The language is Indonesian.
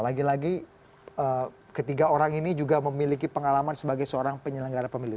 lagi lagi ketiga orang ini juga memiliki pengalaman sebagai seorang penyelenggara pemilu